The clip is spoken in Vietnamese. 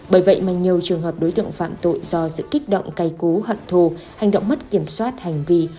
bởi vậy mà nhiều trường hợp đối tượng phạm tội do sự kích động cày cú hận thù hành động mất kiểm soát hành vi